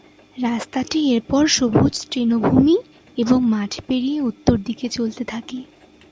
রাস্তাটি এরপর সবুজ তৃণভূমি এবং মাঠ পেরিয়ে উত্তর দিকে চলতে থাকে।